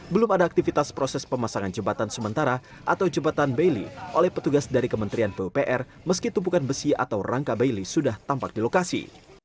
belum ada aktivitas proses pemasangan jembatan sementara atau jembatan baili oleh petugas dari kementerian pupr meski tumpukan besi atau rangka bali sudah tampak di lokasi